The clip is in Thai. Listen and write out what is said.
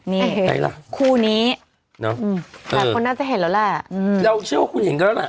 นี่ไงล่ะคู่นี้เนอะหลายคนน่าจะเห็นแล้วแหละอืมเราเชื่อว่าคุณเห็นกันแล้วล่ะ